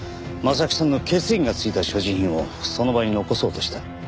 木さんの血液が付いた所持品をその場に残そうとした。